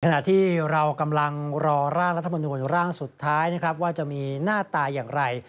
ขณะที่เรากำลังรอร่างรัฐมนุนร่างสุดท้ายนะครับว่าจะมีหน้าตาอย่างไร